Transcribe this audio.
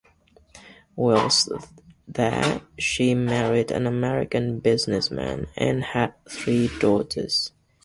Whilst there she married an American businessman, and had three daughters.